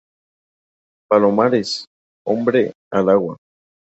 ¡ palomares! ¡ hombre al agua!